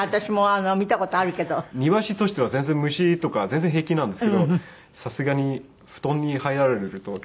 庭師としては虫とか全然平気なんですけどさすがに布団に入られると。